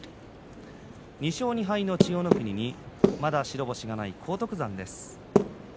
２勝２敗の千代の国まだ白星がない荒篤山です。